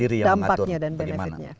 dampaknya dan benefitnya